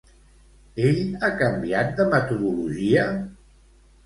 Ell ha canviat de metodologia?